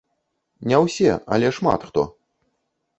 Не ўсе, але шмат хто.